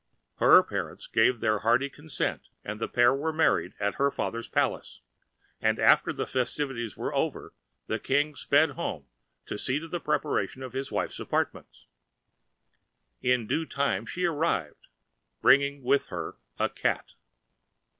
Her parents giving their hearty consent, the pair were married at her father's palace; and after the festivities were over, the King sped home to see to the preparation of his wife's apartments. In due time she arrived, bringing with her a cat.